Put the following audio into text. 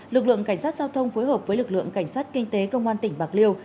lực lượng cảnh sát giao thông phối hợp với lực lượng cảnh sát kinh tế công an tỉnh bạc liêu